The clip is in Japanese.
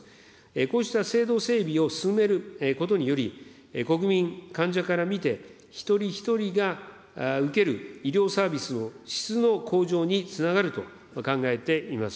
こうした制度整備を進めることにより、国民、患者から見て、一人一人が受ける医療サービスの質の向上につながると考えています。